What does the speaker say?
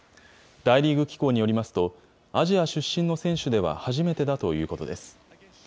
大リーグ機構によりますと、アジア出身の選手では初めてだということです。